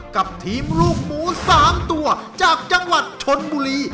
กับทีมลูกหมู๓ตัวจากจังหวัดชนบุรี